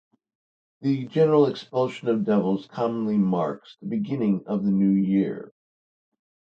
The general expulsion of devils commonly marks the beginning of the new year.